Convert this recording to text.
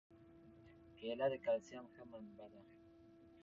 کېله د کلسیم ښه منبع ده.